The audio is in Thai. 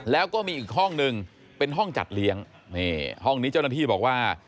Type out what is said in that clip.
แล้วก็มีอีกห้องนึงเป็นห้องจัดเลี้ยงนี่ห้องนี้เจ้าหน้าที่บอกว่า